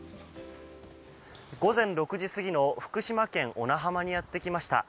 午前６時過ぎの福島県小名浜にやってきました。